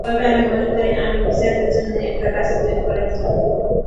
তবে আমি মনে করি, আমি বিচারের জন্য একটা রাস্তা তৈরি করে দিলাম।